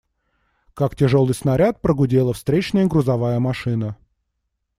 Как тяжелый снаряд, прогудела встречная грузовая машина.